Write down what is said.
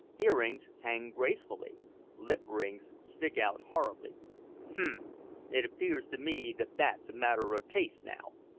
Ear rings hang gracefully; lip rings stick out horribly." "H'm! it appears to me that that's a matter o' taste, now.